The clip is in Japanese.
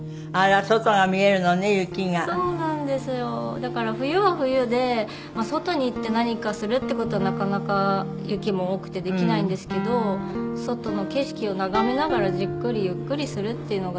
だから冬は冬で外に行って何かするって事はなかなか雪も多くてできないんですけど外の景色を眺めながらじっくりゆっくりするっていうのができるのが。